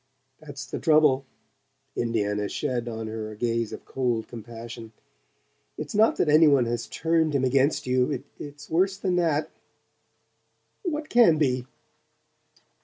"That's the trouble." Indiana shed on her a gaze of cold compassion. "It's not that any one has turned him against you. It's worse than that " "What can be?"